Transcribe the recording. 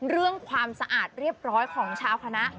ความสะอาดเรียบร้อยของชาวคณะ